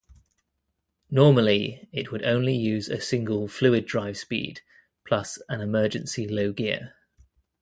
Normally it would only use a single fluid-drive speed, plus an emergency low gear.